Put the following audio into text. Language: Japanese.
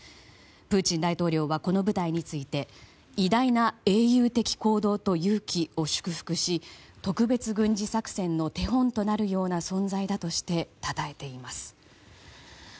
プーチン大統領はこの部隊について偉大な英雄的行動と勇気を祝福し特別軍事作戦の手本となるような存在だとしてたたえています。